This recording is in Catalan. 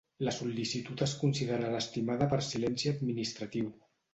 La sol·licitud es considerarà estimada per silenci administratiu.